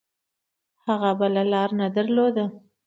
هغه بله لاره نه درلوده.